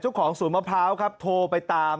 ชุขของศูนย์มะพร้าวกับโทรไปตาม